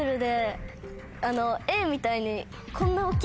Ａみたいに。